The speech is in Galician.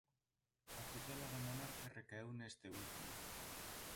A tutela do monarca recaeu neste último.